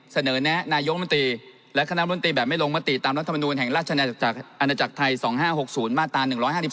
เสนอแนะนายมตรีและคณะมนตรีแบบไม่ลงมนตรีตามรัฐมนุนแห่งราชญาณอาจภัย๒๕๖๐มาตาน๑๕๒